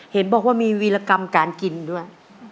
เห็นบอกว่ามีวีรกรรมการกินด้วย